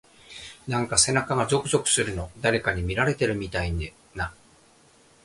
なんか背中がゾクゾクするの。誰かに見られてるみたいな…。